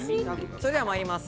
それでは参ります。